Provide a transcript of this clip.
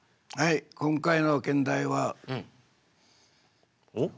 今回の兼題は。おっ？